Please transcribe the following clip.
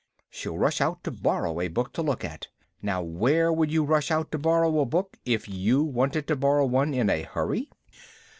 She'll rush out to borrow a book to look at.' Now, where would you rush out to borrow a book if you wanted to borrow one in a hurry?"